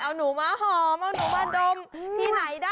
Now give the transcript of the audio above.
เอาหนูมาหอมมานิวได้